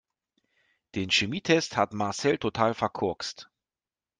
Den Chemietest hat Marcel total verkorkst.